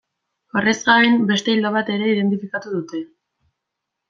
Horrez gain, beste ildo bat ere identifikatu dute.